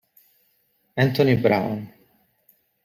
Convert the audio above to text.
Anthony Brown